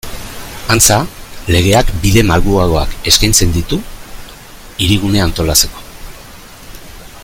Antza, legeak bide malguagoak eskaintzen ditu Hirigunea antolatzeko.